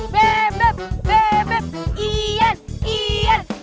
bebep bebep iyan iyan